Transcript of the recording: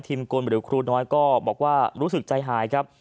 กลหรือครูน้อยก็บอกว่ารู้สึกใจหายครับ